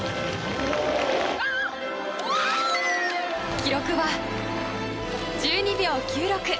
記録は１２秒９６。